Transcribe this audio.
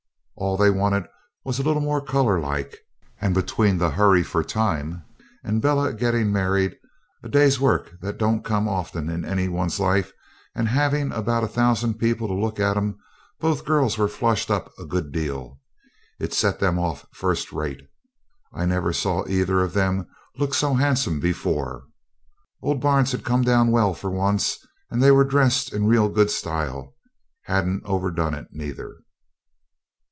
All they wanted was a little more colour like, and between the hurry for time and Bella getting married, a day's work that don't come often in any one's life, and having about a thousand people to look at 'em, both the girls were flushed up a good deal. It set them off first rate. I never saw either of them look so handsome before. Old Barnes had come down well for once, and they were dressed in real good style hadn't overdone it neither.